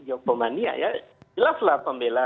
jokomania ya jelaslah pembela